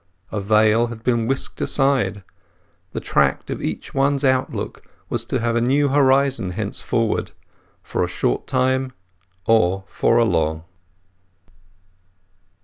A veil had been whisked aside; the tract of each one's outlook was to have a new horizon thenceforward—for a short time or for a long.